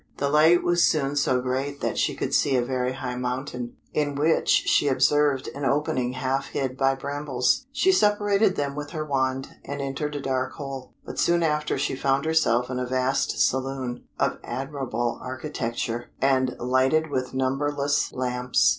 The light was soon so great that she could see a very high mountain, in which she observed an opening half hid by brambles. She separated them with her wand, and entered a dark hole; but soon after she found herself in a vast saloon, of admirable architecture, and lighted with numberless lamps.